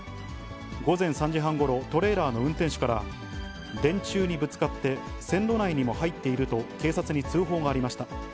午前３時半ごろ、トレーラーの運転手から、電柱にぶつかって線路内にも入っていると警察に通報がありました。